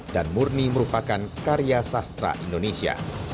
murni merupakan karya sastra indonesia